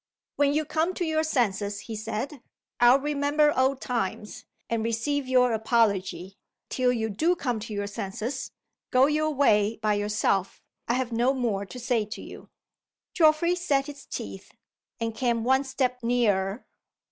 "When you come to your senses," he said, "I'll remember old times and receive your apology. Till you do come to your senses, go your way by yourself. I have no more to say to you." Geoffrey set his teeth, and came one step nearer.